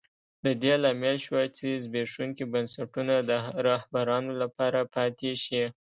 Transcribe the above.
د دې لامل شوه چې زبېښونکي بنسټونه د رهبرانو لپاره پاتې شي.